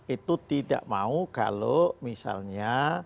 itu tidak mau kalau misalnya